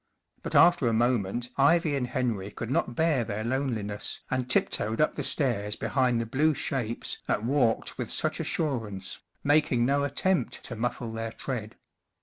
But after a moment Ivy and Henry could not bear their loneliness, and tip toed up the stairs behind the blue shapes that walked with such assurance, making no attempt to muffle their tread.